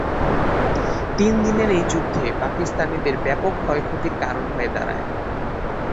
তিন দিনের এই যুদ্ধে পাকিস্তানিদের ব্যাপক ক্ষয়-ক্ষতির কারণ হয়ে দাঁড়ায়।